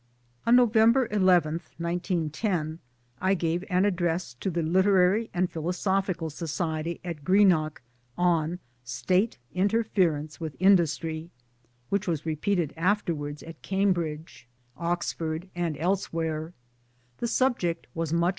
On November 1 1, 1910, I gave an address to the Literary and Philosophical Society at Greenock on State Interference with Industry, which was repeated afterwards at Cambridge, 2(52 MY DAYS AND DREAMS Oxford, and elsewhere. The subject was much!